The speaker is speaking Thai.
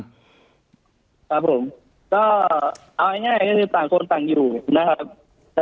ครับผมก็เอาง่ายก็คือต่างคนต่างอยู่นะครับ